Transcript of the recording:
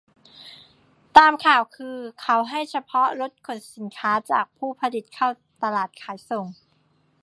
ตามข่าวคือ เขาให้เฉพาะรถขนสินค้าจากผู้ผลิตเข้าตลาดขายส่ง